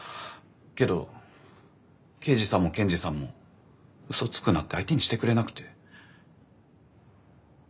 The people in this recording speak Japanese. けど刑事さんも検事さんもうそつくなって相手にしてくれなくて。